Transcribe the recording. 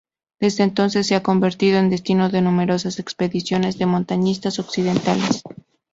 Desde entonces se ha convertido en destino de numerosas expediciones de montañistas occidentales.